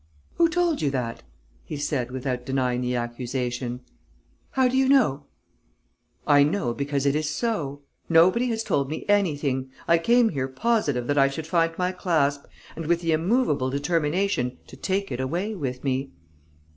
"Who told you that?" he said, without denying the accusation. "How do you know?" "I know because it is so. Nobody has told me anything. I came here positive that I should find my clasp and with the immovable determination to take it away with me."